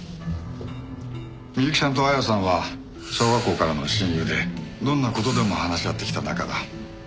美雪さんと亜矢さんは小学校からの親友でどんな事でも話し合ってきた仲だ。